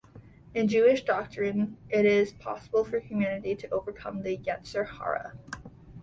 In Jewish doctrine, it is possible for humanity to overcome the "yetzer hara".